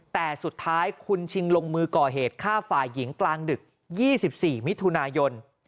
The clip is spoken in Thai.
แต่สุดท้ายคุณชิงลงมือก่อเหตุฆ่าฝ่ายหญิงกลางดึก๒๔มิถุนายน